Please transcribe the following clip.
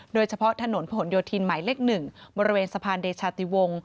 โดยเฉพาะถนนผนโยธินหมายเลข๑บริเวณสะพานเดชาติวงศ